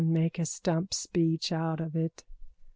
Make a stump speech out of it.